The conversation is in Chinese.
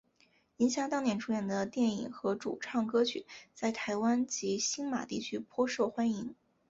银霞当年主演的电影和主唱歌曲在台湾及星马地区颇受欢迎。